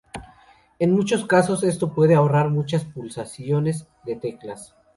En muchos casos, esto puede ahorrar muchas pulsaciones de teclas.